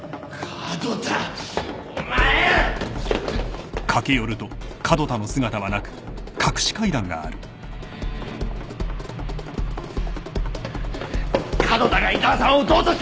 門田が井沢さんを撃とうとしていた！